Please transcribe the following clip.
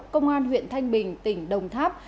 công an huyện thanh bình tỉnh đồng tháp